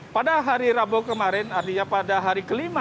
pada hari rabu kemarin artinya pada hari kelima